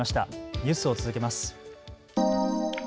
ニュースを続けます。